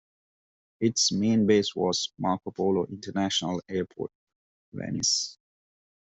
Its main base was Marco Polo International Airport, Venice.